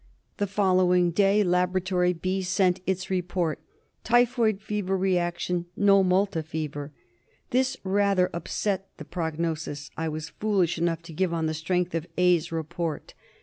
The following day Laboratory B '* sent its report —Typhoid fever reaction, no Malta fever.'* This rather upset the prognosis I was foolish enough to give on the strength of A's " report.